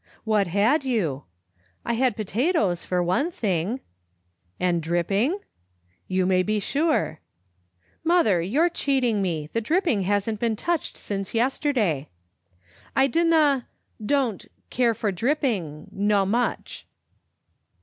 "What had you?" " I had potatoes, for one thing." " And dripping?" "You may be sure." " Mother, you're cheating me. The dripping hasn't been touched since yesterday. "" I dinna — don't — care for dripping — ^no much."